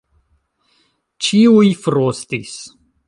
Ĉiuj frostis.